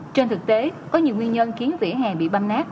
trên thực tế có nhiều nguyên nhân khiến vỉa hè bị băm nát